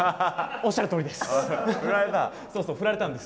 おっしゃるとおりです。